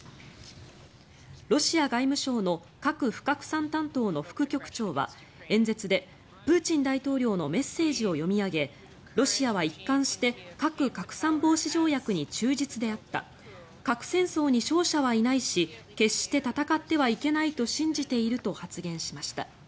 ロシア外務省の核不拡散担当の副局長は演説でプーチン大統領のメッセージを読み上げロシアは一貫して核拡散防止条約に忠実であった核戦争に勝者はいないし決して戦ってはいけないと信じていると発言しました。